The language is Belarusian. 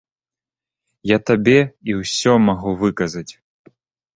Я табе і ўсё магу выказаць.